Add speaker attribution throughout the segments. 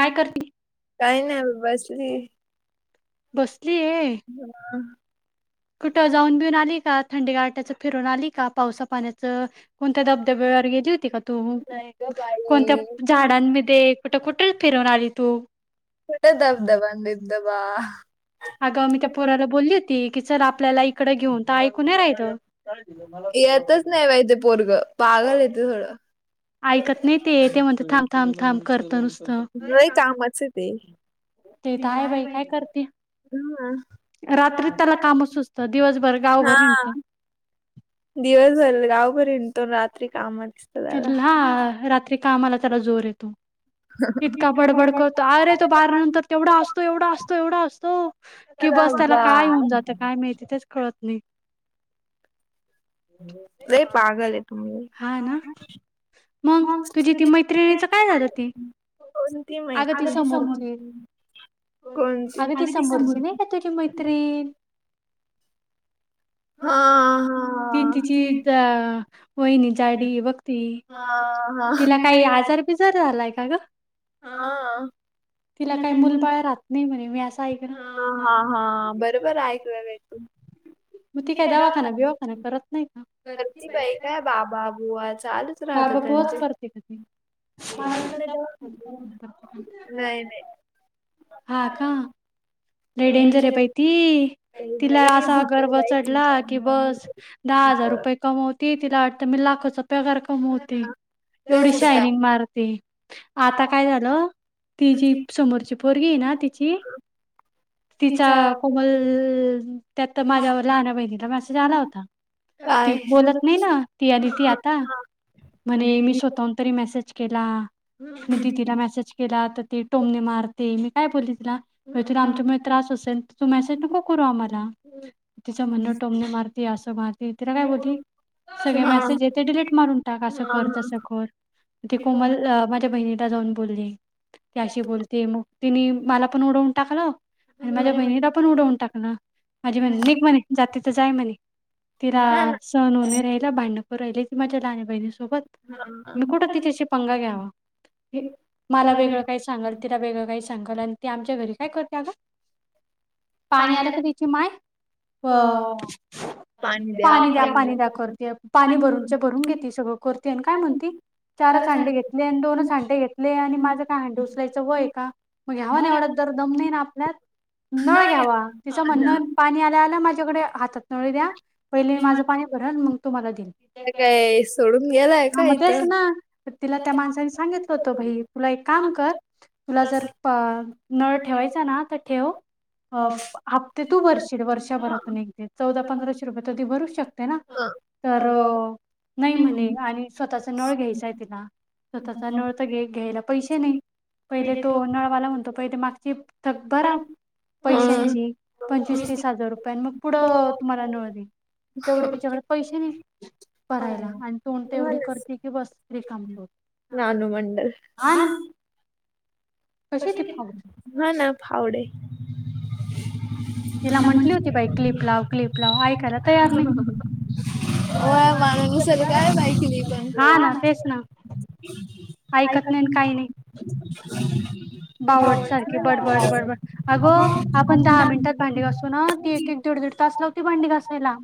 Speaker 1: काय काही नाही बसी
Speaker 2: बसली ये कुठं जाऊन बिऊन आली का थंडी गाट्याच फिरून आली का पावसा पाण्याचं कोणत्या धबधब्या गेली होती का तू कोणत्या झाडांमध्ये कुठ कुठ हटल फिरवून आली तू
Speaker 1: [unintelligible] दबदवांगबदवा
Speaker 2: अगं मी त्या पोराला बोलली होती की चल आपल्याला इकडं घेऊन तर ऐकू नाय राहील
Speaker 1: येतच नाही बाई पोरग पागलं आहे ते थोडं
Speaker 2: ऐकत नाही ते ते म्हण थांब थांब थांब करत नुस
Speaker 1: व्हय कामा आहे ते
Speaker 2: ते ताया बाई काय करते?
Speaker 1: हम्म.
Speaker 2: रात्री त्याला काम सुचतं दिवसभर गावभर हिंडत.
Speaker 1: दिवस भर गावभर हिंडतो रात्री कामात दिसत त्याला.
Speaker 2: तर हा रात्री कामला त्याला जोर येतो इतका बडबड करतो अरे तो बारा नंतर तेवढा असतो एवढा असतो एवढा असतो की बस
Speaker 1: अरे
Speaker 2: त्याला
Speaker 1: बा
Speaker 2: काय होऊन जातं काय माहिती तेच कळत नाही
Speaker 1: लय पागल आहे तुम्ही
Speaker 2: हा ना, मग तुझी ती मैत्रिणीच काय झालं ती
Speaker 1: कोणती मैत्रीण? अगं ती समोरची
Speaker 2: अग ती समोरची नाही का तुझी मैत्रीण हा, ती तिची अ वाहिनी जाडी आहे बघ ती, हा. तिला काय आजार बिजार झालाय का ग?
Speaker 1: हा.
Speaker 2: तिला काही मुलबाळ राहत नाही म्हणे मी असं ऐकलं
Speaker 1: हा हा हा बरोबर ऐकलं काय तू
Speaker 2: मग ती काही
Speaker 1: काय
Speaker 2: दवाखाना
Speaker 1: दवाखान्यात
Speaker 2: बिवाखाना
Speaker 1: आहे?
Speaker 2: करत नाही का?
Speaker 1: करती काही काय बाबा बुवा चालूच
Speaker 2: बाबा
Speaker 1: राहत
Speaker 2: बुवाच
Speaker 1: त्यांचे
Speaker 2: करते
Speaker 1: मला वाटलं दवाखान्यात आहे. नाही नाही
Speaker 2: [unintelligible] हा का लय डेंजर आहे बाई ती,
Speaker 1: बाई
Speaker 2: तिला
Speaker 1: हा.
Speaker 2: असा
Speaker 1: होतं
Speaker 2: गर्व
Speaker 1: बाई
Speaker 2: चढला की
Speaker 1: तुमचं
Speaker 2: बस दहा हजार रुपये कमावती तिला वाटत मी [unintelligible] लाखाचा पगार कमावती
Speaker 1: ते
Speaker 2: एवढी
Speaker 1: वर्षा, उडतं.
Speaker 2: शायनिंग मारते आता काय झालं ती जी
Speaker 1: तिची
Speaker 2: समोरची पोरगी ना तिची तिचा कोमल त्यात माझ्या लहान बहिणीला मेसेज आला होता ती बोलत नाही ना ती आणि ती आता
Speaker 1: हा
Speaker 2: म्हणे मी स्वतःहून तरी मेसेज केला
Speaker 1: पण
Speaker 2: मी
Speaker 1: म्हणते की
Speaker 2: दिदीला मेसेज केला तर ती टोमने मारते मी काय बोलली तिला येथील
Speaker 1: हां.
Speaker 2: आमच्यामुळे त्रास असेल तर तू मेसेज नको करू आम्हाला तिचं म्हणणं
Speaker 1: हां,
Speaker 2: टोमने मारती असं मारती तिला काय बोलती सगळे
Speaker 1: हां.
Speaker 2: मेसेज आहे ते डिलीट मारून टाक असं कर तसं कर ते कोमल माझ्या बहिणी जाऊन बोलली त्याशी बोलते मग तिनी मला पण उडवून टाकलं आणि माझ्या बहिणीला पण उडवून टाकण माझी
Speaker 1: पण म्हणली
Speaker 2: म्हणक
Speaker 1: की
Speaker 2: म्हणे जाती तर जाय म्हने
Speaker 1: [inaudible]
Speaker 2: तिला सण होने राहिला भांडखोर राहिली ती माझ्या लहणी बहिणी सोबत
Speaker 1: ना. हां.
Speaker 2: मी कुठं तिच्याशी
Speaker 1: किती
Speaker 2: [unintelligible] मला वेगळं काही सांगालं तिला वेगळं काही सांगाल ते आमच्या घरी काय करते ग
Speaker 1: पाणी आलं का?
Speaker 2: माय अ पाणी द्या पाणी द्या करते पाणी भरूनच भरून घेत सगळ करती आणि काय म्हणती चारच हांडे घेतले आणि दोनच हंडे घेतले आणि माझं काय हांडे उचलायचं वय आहे का मग ह्यावा ना एवढा द तर दम नाही ना आपल्या
Speaker 1: नाय [unintelligible]
Speaker 2: म्हण अन पाणी आल्या आला माझ्याकडे हातात नळे द्या पहिले
Speaker 1: विमान
Speaker 2: माझं पाणी भरल मग तुम्हाला देईन.
Speaker 1: काय सोडून गेलाय का
Speaker 2: मग
Speaker 1: इथं काय
Speaker 2: तेच ना
Speaker 1: समजलं
Speaker 2: तिला त्या माणसाने सांगितलं होतं भाई तुला एक
Speaker 1: हा,
Speaker 2: काम कर तुला जर अह नळ ठेवायचा ना तर ठेव
Speaker 1: ह
Speaker 2: आपते तू वर्ष वर्षाभरातून एक दे चौदा
Speaker 1: तुला पण
Speaker 2: पंधराशे रुपये तरधी भरू शकते ना
Speaker 1: हा
Speaker 2: तर
Speaker 1: अ,
Speaker 2: नाही म्हणे आणि स्वतःचा नळ घ्यायचाय तिला स्वतःचा नळ तर घ घ्यायला पैसे नाही पहिले तो नळवाला म्हणतो पहिले मागचे
Speaker 1: कर
Speaker 2: भराव
Speaker 1: हा
Speaker 2: पैशांची
Speaker 1: पैसे तेवढं
Speaker 2: पंचवीस
Speaker 1: म्हणजे
Speaker 2: तीस
Speaker 1: तिकडं
Speaker 2: हजार रुपया मग पुढं
Speaker 1: करायला,
Speaker 2: तुम्हाला नळ दे तेवढे
Speaker 1: तेवढं तिच्या
Speaker 2: तिच्याकडे पैसे नाही करायला
Speaker 1: पडायला
Speaker 2: आणि तूणते एवढी करते की बस रिकम कर
Speaker 1: नानु मंडल कशी
Speaker 2: ती
Speaker 1: बी
Speaker 2: फावडी
Speaker 1: हा ना फावडे
Speaker 2: तिला म्हंटली होती बाई क्लिप लाव क्लिप लाव ऐकायला तयार नाही
Speaker 1: हो माणनसर काय माहितीली
Speaker 2: हा
Speaker 1: पण
Speaker 2: ना तेच ना ऐकत
Speaker 1: ऐका तु
Speaker 2: बावरट सारखी बडबड बडबड अगं आपण दहा मिनिटात भांडी घासू ना त तन तडड अस भांडी घासायला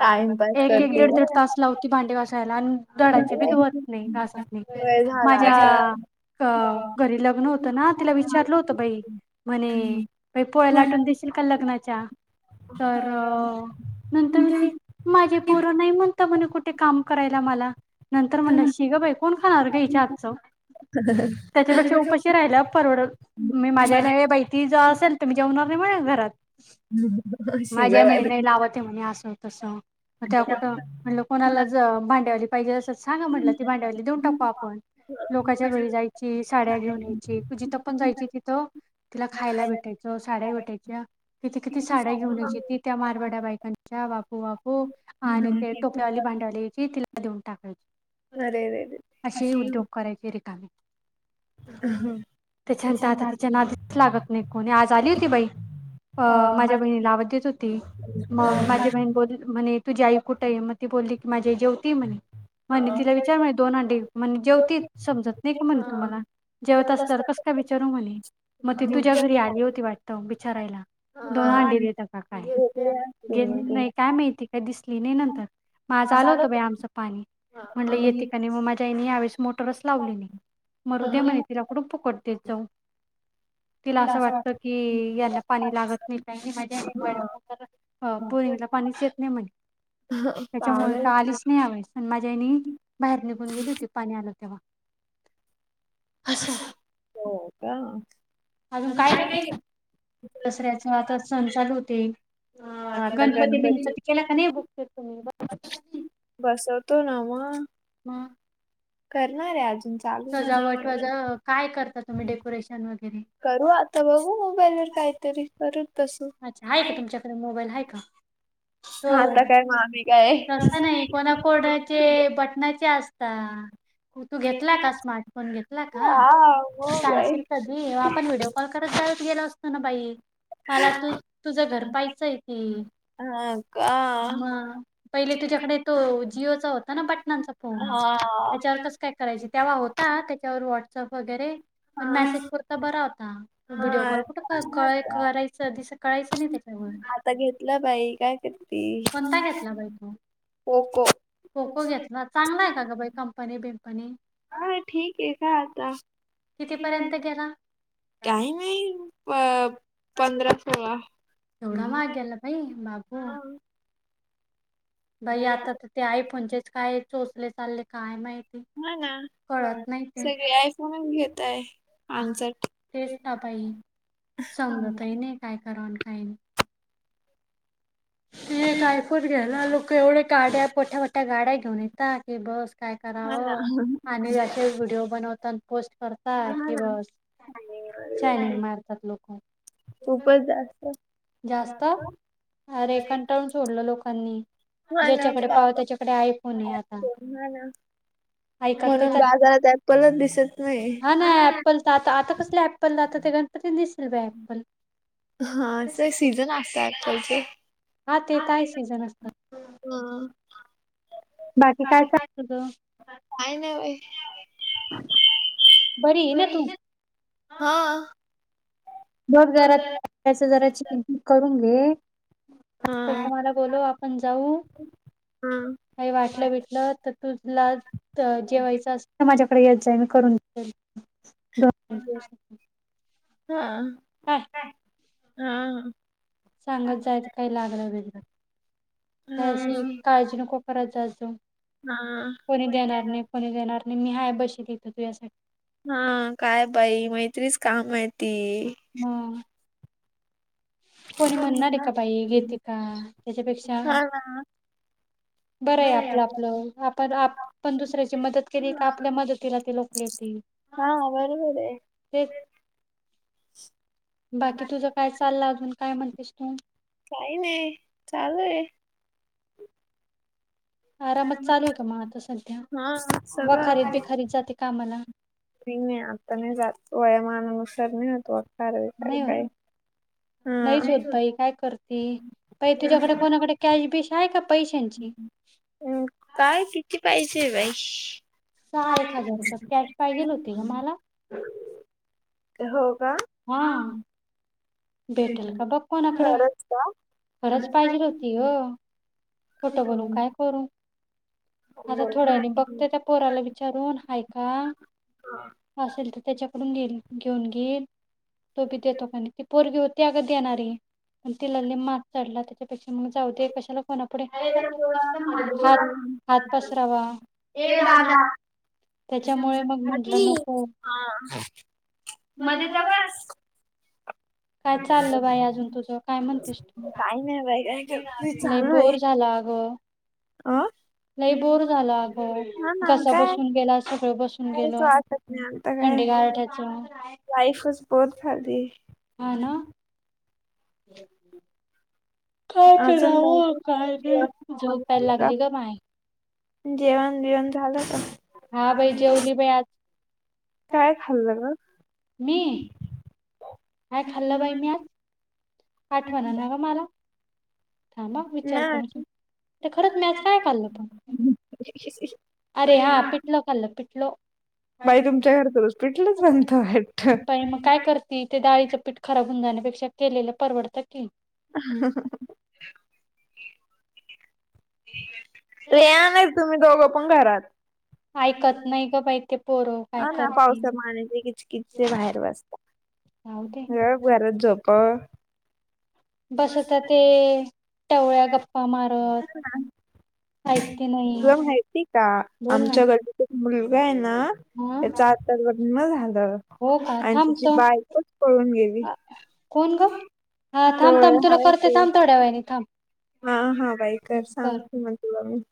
Speaker 1: टाइमपास
Speaker 2: एक एक
Speaker 1: करते
Speaker 2: दीड
Speaker 1: ग.
Speaker 2: दीड तास लावती भांडी घासायला आणि दडाचे बी धुवत नाही घासत नाही
Speaker 1: वेळ झाला
Speaker 2: माझ्या
Speaker 1: आता.
Speaker 2: अ
Speaker 1: अं,
Speaker 2: घरी लग्न होतं ना तिला विचारलं होतं बाई म्हणे
Speaker 1: आणि
Speaker 2: प पोळ्या
Speaker 1: तू आहे ना
Speaker 2: लाटून देशील का लग्नाच्या तर नंतर
Speaker 1: म्हणते
Speaker 2: ते माझे
Speaker 1: ते
Speaker 2: पोर
Speaker 1: पण
Speaker 2: नाही म्हणत म्हणे कुठे काम करायला मला नंतर
Speaker 1: तर
Speaker 2: म्हणल
Speaker 1: म्हणतात
Speaker 2: शिग बाई कोण खाणार घ्यायच्या
Speaker 1: की
Speaker 2: आातचं त्या
Speaker 1: त्याच्यापेक्षा
Speaker 2: उपशी रा परड
Speaker 1: ते
Speaker 2: माझ्याहिती असेले म्हणा घरात
Speaker 1: माझ्या शी गं
Speaker 2: माझ्या
Speaker 1: बाई.
Speaker 2: म्हणे नाही
Speaker 1: बहिणी-
Speaker 2: लाव ते म्हणे असं तस त्या कुठं
Speaker 1: त्यामुळे
Speaker 2: म्हणलं कोणाला ज भांड्याली पाहिजे असं सांगा
Speaker 1: नाही
Speaker 2: म्हटलं ती
Speaker 1: म्हणत पण
Speaker 2: भांडवली दऊन
Speaker 1: एकदम
Speaker 2: टाको
Speaker 1: खूप
Speaker 2: आपण
Speaker 1: आवडतं.
Speaker 2: लोकांच्या घरी जायच साड्या घेऊन यायची जिथं
Speaker 1: तिथं
Speaker 2: पण जायची
Speaker 1: काही
Speaker 2: तिथं तिला खायला भेटायचं साड्या भेटायच्या किती किती
Speaker 1: तिथे ते
Speaker 2: साड्या
Speaker 1: घेऊन
Speaker 2: घेऊनयची ती त्या मारवाड्या
Speaker 1: मागवतात.
Speaker 2: बायकांच्या बापू वापू आणि ते टोप्यावाली भांडी
Speaker 1: अरे रे
Speaker 2: [inaudible] अशी उद्योग करायची
Speaker 1: अ हा
Speaker 2: त्याच्यानंतर आता तिच्या नादच लागत नाही कोणी आज आली होती बाई अं माझ्या बहिणीला आवज देत होती मग माझी बहीण बोल म्हणे तू जाई कुठं आहे मग ती बोलली माझी ला
Speaker 1: खेळत
Speaker 2: जेव अस कस
Speaker 1: असतात
Speaker 2: काय विचारू म्हणे मग ती तुझ्या घरी आली होती वाटत विचारायला. दोन अंडी देत का काय
Speaker 1: झोपल्या
Speaker 2: घ
Speaker 1: पुन्हा ती
Speaker 2: नाही काय माहिती काय दिसली नाही नंतर मग आज आल होतं बा आमचं पाणी म्हणलं येते का नाही मग माझ्या आईने यावेळेस मोटरच लावली नाही मरुदय
Speaker 1: ते
Speaker 2: म्हणे तिला कुठ फुकट देत जाऊ
Speaker 1: ह
Speaker 2: तिला असं वाटतं की यांना पाणी लागत नाही माझ बोरिंगला पाणी येत नाही म्हणे त्याच्यामुळे
Speaker 1: पागल
Speaker 2: का आलीच नाही आवस आणि माझ्यानी बाहेर निघून गेली होती पाणी आलं तेव्हा असं
Speaker 1: हो का
Speaker 2: अजून काय नाही दसऱ्याचा आता सण चालू होतील हा
Speaker 1: मग आता
Speaker 2: गणपती बिनपती केला का नाही बघत तुम्ही ब
Speaker 1: तो नावा
Speaker 2: म
Speaker 1: अजून चालू आहे.
Speaker 2: सजावट वज काय करता तुम्ही डेकोरेशन वगैरे
Speaker 1: करू आता बाबू मोबाईलवर काहीतरी करू तसं
Speaker 2: अच्छा आहे का तुमच्याकडे मोबाईल आहे का.
Speaker 1: [unintelligible]
Speaker 2: तो
Speaker 1: काय मग आम्ही काय
Speaker 2: तस
Speaker 1: तसं
Speaker 2: नाही
Speaker 1: कोण
Speaker 2: कोणाकोड्याचे
Speaker 1: कोण
Speaker 2: बटणाचे असता. तू घेतला का स्मार्टफोन घेतला का
Speaker 1: हा मग बाई
Speaker 2: सांगशील कधी आपण व्हिडिओ कॉल करत जा गेलं असत ना बाई मला तू तुझ घर पाहायचं आहे ते
Speaker 1: हा का
Speaker 2: मग पहिले तुझ्याकडे तो जिओचा होता ना बटनांचा फोन
Speaker 1: हा
Speaker 2: त्याच्यावर कसं काय करायच तेव्हा होता त्याच्यावर वॉट अप वगैरे पण मेसेज करता बरा होता व्हिडिओ
Speaker 1: हा
Speaker 2: कॉल कुठे क
Speaker 1: हा
Speaker 2: करायच. सध सकाळायचं नाही त्याच्यावर
Speaker 1: आता घेतलं बाई काय करती
Speaker 2: कोणता घेतला बाई तो
Speaker 1: पोको
Speaker 2: खोको घेतला चांगला आहे का ग बाई कंपनी बिन
Speaker 1: हा ठीक आहे का आता कितीपर्यंत टाइम आहे अ पंधरा सोळा
Speaker 2: दोडा मागेला पई बाबू बाई आता तर ते आहे पणजेच काय सोचले चालले काय माहि
Speaker 1: हा ना सगळे आयफोनच घेताये.
Speaker 2: ह तेच रा बाई
Speaker 1: हा
Speaker 2: समजतय नाही काय क का. [unintelligible] ते काय फुट घ्याला लोक एवढ्या गाड्या पठ्या मोठ्या गाड्या घेऊन येतता ते बस काय
Speaker 1: ना
Speaker 2: करावं आणि असे व्हिडिओ बनवत पोस्ट कर का
Speaker 1: हा
Speaker 2: कि
Speaker 1: ना
Speaker 2: बस यनिंग मारतात लोक
Speaker 1: खूपच जास्त जास्त
Speaker 2: ते कंटाळून सोडलं लोकांनी तरी
Speaker 1: हा ना हा
Speaker 2: ज्याच्याकडे पाह त्याच्याकडे आय फोन पण आहे आता.
Speaker 1: ना
Speaker 2: ऐकत ते
Speaker 1: म्हणून
Speaker 2: तर
Speaker 1: बाजारात ऍपलच दिसत नाही
Speaker 2: हा ना ऍप्पल आता आता कसले ऍपलला आ ते गणपती दिसेल बा ऍप्पल
Speaker 1: हा अस सीझन असत आजकालचे
Speaker 2: हा ते तही सीझन असतात.
Speaker 1: हा.
Speaker 2: तुझ
Speaker 1: काय नई बई.
Speaker 2: आहे ना तू
Speaker 1: बरी हा.
Speaker 2: बघ
Speaker 1: हा
Speaker 2: जराच जराची कि करून घे तरच्या म्हाला बोलो आपण जाऊ का वाटलं बटलं तर तुला जेवायचं अस माझ्या डे करून दोन
Speaker 1: हा
Speaker 2: ह
Speaker 1: हा ह
Speaker 2: सांगत जायचं काही लागलं वेग काय अशी काळजी नको करत जाजो.
Speaker 1: हा
Speaker 2: कोणी देणार
Speaker 1: हा
Speaker 2: नाही कोणी देणार नाही मी हाय बशी ली ईथ तुझ्यासाठी.
Speaker 1: हा काय बाई मैत्रीच काम येती.
Speaker 2: हम्म. का बाई घेते का त्याच्यापेक्षा
Speaker 1: [unintelligible]
Speaker 2: बरं आहे आपलं आपलं आपण आपण दुसऱ्याची मदत केली आपल्या मदतीला त लोक येतील.
Speaker 1: हा बरोबर ये.
Speaker 2: तेच
Speaker 1: [inaudible]
Speaker 2: बाकी तुझं काय चाललं अजून काय म्हणतेस तू
Speaker 1: काही नाही चालूय
Speaker 2: आरामात चालू आहे का मग आता
Speaker 1: हा
Speaker 2: सध्या
Speaker 1: सगळं
Speaker 2: खारीद बी खारीद जाते कामाला.
Speaker 1: नाही नाही आता नाही जा वयमान अनुसार नाही होतो अकारार वखार
Speaker 2: नाही होत
Speaker 1: बाय
Speaker 2: नाहीच होत बाई काय करते बाई तुझ्याकडे कोणाकडे कॅश बिश आहे का पैशांची
Speaker 1: म् काय किती पाहिजे बाई
Speaker 2: सहा एक हजार रुपये कॅश पाहिजेल होती ग मला
Speaker 1: हो का
Speaker 2: हा
Speaker 1: ह
Speaker 2: भेटेल का बघ कोणाकडें खरंच पाहिजे होती अ खोटं बोलू काय करू आता थोड्या नाही
Speaker 1: का.
Speaker 2: बघते त्या पोराला विचारून ऐक
Speaker 1: [inaudible]
Speaker 2: असेल तर त्याच्याकडून घेईल घेऊन घेईल तो बी देतो काने ती पोरगी होती अगं देणारी पण तिला मात चढला त्याच्यापेक्षा मग जाऊ दे कशाला कोणापुढ ह हात
Speaker 1: ए
Speaker 2: पसरावा ददा
Speaker 1: दादा
Speaker 2: त्याच्यामुळे मग म्हंटलं नको
Speaker 1: मध्येतवास
Speaker 2: काय चाललं बाई अजून तुझ काय म्हणतेस तू
Speaker 1: काय नाही बाई काय करते चालू आहे
Speaker 2: बोर झाला
Speaker 1: अं?
Speaker 2: लय बोर झाला अगं कस बसून गेला सगळ बस
Speaker 1: नाही तो आक नाही आताक आहे
Speaker 2: गारठ्याचं
Speaker 1: लाईफ बोत फरदी
Speaker 2: ह ना काय
Speaker 1: अजून
Speaker 2: कराव
Speaker 1: बाई,
Speaker 2: काय र
Speaker 1: जेवण
Speaker 2: झोपायला
Speaker 1: झालं
Speaker 2: लागली का माय
Speaker 1: जेवण बिवण झालं का
Speaker 2: हा भाई जेवली भाई आज
Speaker 1: काय खाल् लालं
Speaker 2: ह खाल्लं बाई मी आज आठवण ना ग मला थां म विचार
Speaker 1: ना
Speaker 2: करून सग खरंच मी आच काय खाल्लं पण अरे हा पिठल खाल्लं पिठल
Speaker 1: बाई तुमच्या घरच हॉस्पिटलच बनत आहे
Speaker 2: चपीठ खराब होऊन जाण्यापेक्षा केलेलं परवडत क
Speaker 1: [inaudible] रेया नाहीच तुम्ही दोघं पण घरात
Speaker 2: ऐकत नाही ग बाहि ते पोरं काय
Speaker 1: हा ना
Speaker 2: करतील
Speaker 1: पावसा पाचे किचकिचचे बाहेर
Speaker 2: जाऊ दे
Speaker 1: बसतात घरात जप [unintelligible]
Speaker 2: बसत ते, टवळ्या गप्पा मारत. ऐकते
Speaker 1: तुला
Speaker 2: नाही
Speaker 1: माहिती आहे का,
Speaker 2: बोल ना
Speaker 1: आमच्या गटात एक मुलगा आहे ना,
Speaker 2: हा
Speaker 1: त्याचं आता लग्न झालं.
Speaker 2: हो का
Speaker 1: आणि त्याची
Speaker 2: थांबतो
Speaker 1: बायकोच पळून गेली.
Speaker 2: कोण ग हा
Speaker 1: हो
Speaker 2: थांब थांब तुला
Speaker 1: हाय
Speaker 2: करते
Speaker 1: की.
Speaker 2: थांब थोड्या वेळाने थांब
Speaker 1: हा हा बाई कर, सांगते तुला मी.